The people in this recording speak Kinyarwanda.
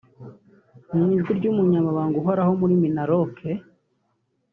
Mu ijwi ry’Umunyamabanga uhoraho muri Minaloc